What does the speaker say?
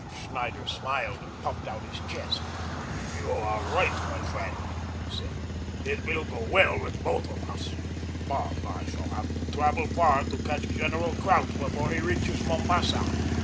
Schneider smiled and puffed out his chest. "You are right, my friend," he said, "it will go well with both of us; but I shall have to travel far to catch General Kraut before he reaches Mombasa.